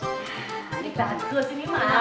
ini bagus ini mahal